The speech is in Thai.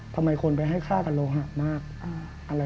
ทำไมคนไปให้ค่ากับหลวงหากกต์มากอ่า